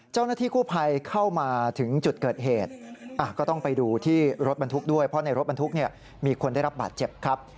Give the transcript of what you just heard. เจ้าหน้าที่กู้ภัยเข้ามาถึงจุดเกิดเหตุก็ต้องไปดูที่รถบรรทุกด้วยเพราะในรถบรรทุกเนี่ยมีคนได้รับบาดเจ็บครับ